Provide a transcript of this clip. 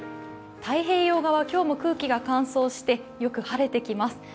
太平洋側、今日も空気が乾燥してよく晴れてきます。